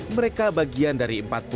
mereka bagian dari empat